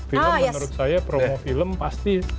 film menurut saya promo film pasti